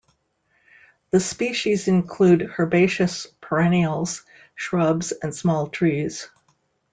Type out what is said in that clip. The species include herbaceous perennials, shrubs and small trees.